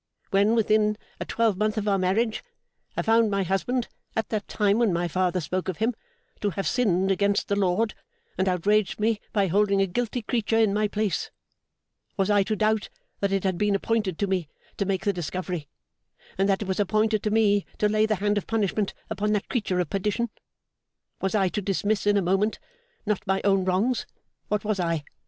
When, within a twelvemonth of our marriage, I found my husband, at that time when my father spoke of him, to have sinned against the Lord and outraged me by holding a guilty creature in my place, was I to doubt that it had been appointed to me to make the discovery, and that it was appointed to me to lay the hand of punishment upon that creature of perdition? Was I to dismiss in a moment not my own wrongs what was I!